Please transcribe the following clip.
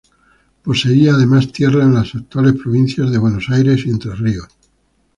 Poseía además tierras en las actuales provincias de Buenos Aires y Entre Ríos.